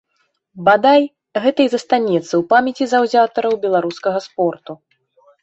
Бадай, гэта і застанецца ў памяці заўзятараў беларускага спорту.